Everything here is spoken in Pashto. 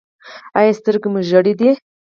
ایا سترګې مو ژیړې دي؟